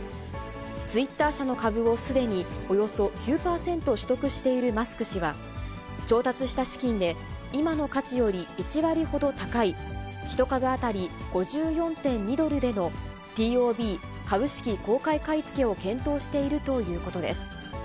ツイッター社の株をすでにおよそ９％取得しているマスク氏は、調達した資金で今の価値より１割ほど高い、１株当たり５４．２ドルでのＴＯＢ・株式公開買い付けを検討しているということです。